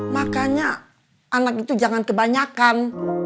makanya anak itu jangan kebanyakan